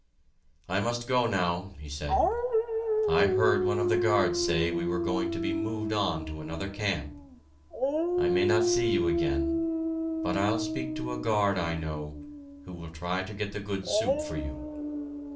"I must go now," he said; "I heard one of the guards say we were going to be moved on to another camp. I may not see you again, but I'll speak to a guard I know, who will try to get the good soup for you.